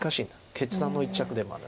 決断の一着でもある。